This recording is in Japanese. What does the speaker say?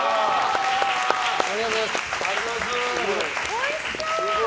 おいしそう！